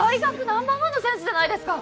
ナンバーワンの選手じゃないですか